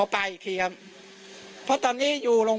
พี่ทีมข่าวของที่รักของ